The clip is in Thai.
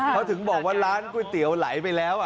เขาถึงบอกว่าร้านก๋วยเตี๋ยวไหลไปแล้ว